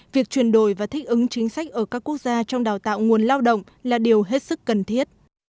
việc chuyển đổi và thích ứng chính sách ở các quốc gia trong đào tạo nguồn lao động là điều hết sức cần thiết